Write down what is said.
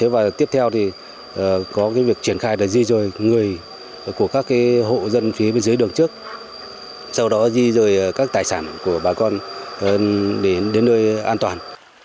và tiếp theo thì có việc triển khai là di dời người của các hộ dân phía bên dưới đường trước sau đó di rời các tài sản của bà con để đến nơi an toàn